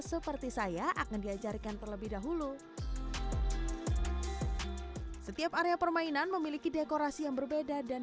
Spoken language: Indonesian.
seperti saya akan diajarkan terlebih dahulu setiap area permainan memiliki dekorasi yang berbeda dan